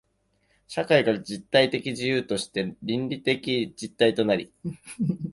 社会が実体的自由として倫理的実体となり、